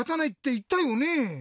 いったよね？